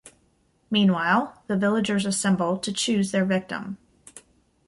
Meanwhile the villagers assemble to choose their victim.